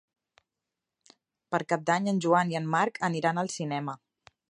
Per Cap d'Any en Joan i en Marc aniran al cinema.